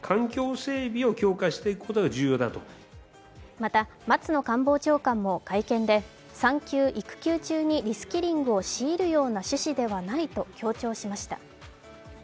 また、松野官房長官も会見で産休・育休中にリスキリングを強いるような趣旨ではないと強調しました。